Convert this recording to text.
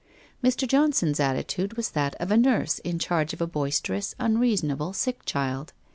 Mr. Johnson's attitude was that of a nurse in charge of a boisterous, unreasonable, sick child.